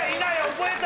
覚えた？